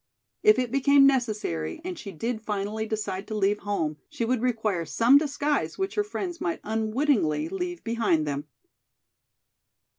If it became necessary and she did finally decide to leave home she would require some disguise which her friends might unwittingly leave behind them.